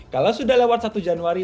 kalau sudah lewat satu januari